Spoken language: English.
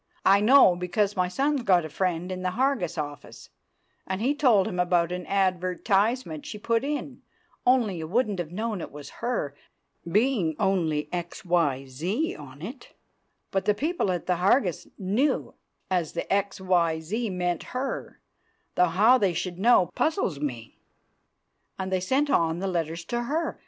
I know, because my son's got a friend in the Hargus office, and he told him about an adver _tise_ment she put in, only you wouldn't have known it was her, being only X Y Z on it, but the people at the Hargus knew as the X Y Z meant her, though how they should know puzzles me, and they send on the letters to her.